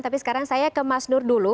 tapi sekarang saya ke mas nur dulu